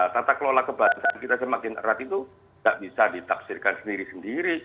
tata kelola kebangsaan kita semakin erat itu tidak bisa ditafsirkan sendiri sendiri